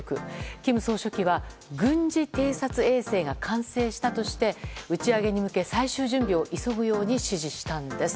金総書記は軍事偵察衛星が完成したとして打ち上げに向け、最終準備を急ぐように指示したんです。